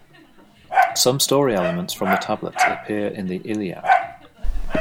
Some story elements from the tablets appear in the "Iliad".